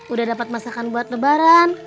udah dapat masakan buat lebaran